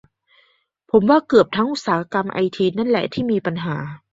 ผมว่าเกือบทั้งอุตสาหกรรมไอทีนั่นแหละที่มีปัญหา